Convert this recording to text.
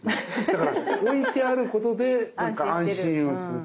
だから置いてあることでなんか安心をする。